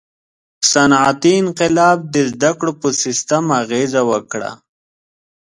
• صنعتي انقلاب د زدهکړو په سیستم اغېزه وکړه.